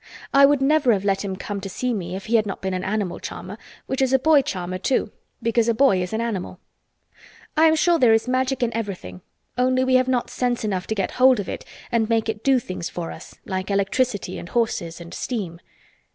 I would never have let him come to see me if he had not been an animal charmer—which is a boy charmer, too, because a boy is an animal. I am sure there is Magic in everything, only we have not sense enough to get hold of it and make it do things for us—like electricity and horses and steam."